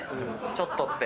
ちょっとって。